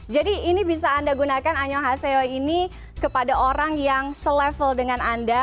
jadi ini bisa anda gunakan anyonghaseyo ini kepada orang yang selevel dengan anda